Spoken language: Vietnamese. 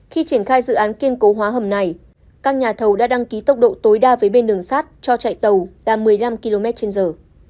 khi triển khai dự án kiên cố hóa hầm này các nhà thầu đã đăng ký tốc độ tối đa với bên đường sắt cho chạy tàu là một mươi năm km trên giờ